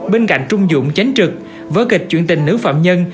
bên cạnh trung dụng tránh trực vỡ kịch chuyện tình nữ phạm nhân